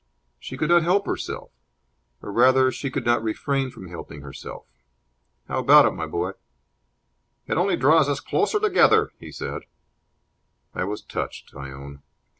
She could not help herself. Or, rather, she could not refrain from helping herself. How about it, my boy?" "It only draws us closer together," he said. I was touched, I own.